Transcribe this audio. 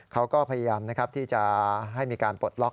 เขาก็พยายามนะครับที่จะให้มีการปลดล็อก